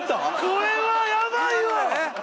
これはやばいわ！